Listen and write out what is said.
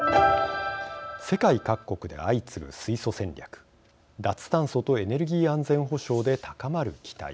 世界各国で相次ぐ水素戦略脱炭素とエネルギー安全保障で高まる期待